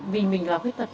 vì mình là khuyết tật